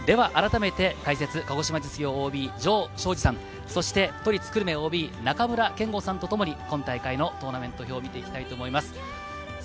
解説は鹿児島実業ＯＢ・城彰二さん、そして都立久留米ＯＢ・中村憲剛さんとともに今大会のトーナメント表を見ていきたいと思います。